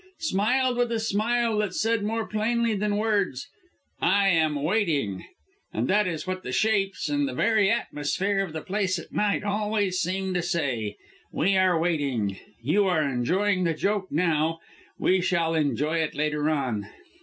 Smiled with a smile that said more plainly than words, 'I am waiting!' and that is what the shapes, and the very atmosphere of the place at night always seem to say 'We are waiting! You are enjoying the joke now we shall enjoy it later on!'